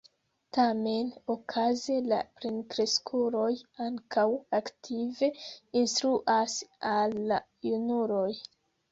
Tamen, okaze la plenkreskuloj ankaŭ aktive instruas al la junuloj.